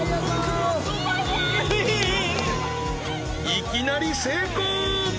［いきなり成功！］